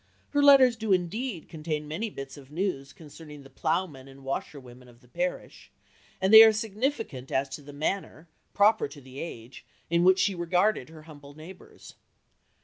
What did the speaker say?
Her letters do indeed contain many bits of news concerning the ploughmen and washerwomen of the parish, and they are significant as to the manner, proper to the age, in which she regarded her humble neighbours.